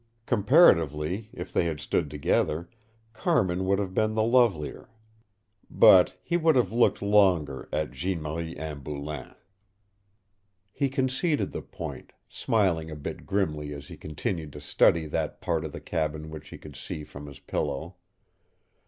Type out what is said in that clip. Comparatively, if they had stood together, Carmin would have been the lovelier. But he would have looked longer at Jeanne Marie Anne Boulain. He conceded the point, smiling a bit grimly as he continued to study that part of the cabin which he could see from his pillow.